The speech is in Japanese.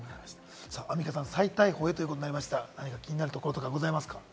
アンミカさん、再逮捕へということですが、気になるところとかございますか？